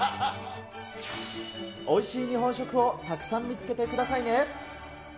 おいしい日本食をたくさん見つけてくださいね。